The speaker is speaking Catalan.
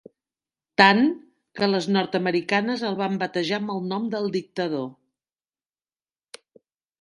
Tant, que les nord-americanes el van batejar amb el nom del dictador.